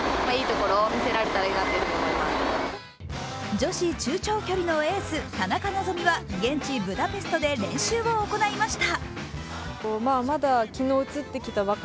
女子中長距離のエース、田中希実は現地ブダペストで練習を行いました。